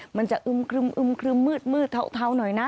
มันจะอึ้มครึ่มอึ้มครึ่มมืดเทาหน่อยนะ